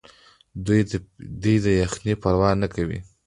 دوی د یخنۍ پروا نه کوي.